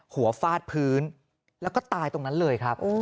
ฟาดพื้นแล้วก็ตายตรงนั้นเลยครับ